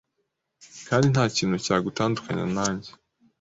Kandi nta kintu cyagu tandukanya nanjye,